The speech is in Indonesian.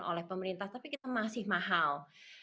oleh pemerintah tapi kita masih mahal